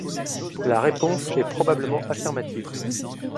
La réponse est probablement affirmative.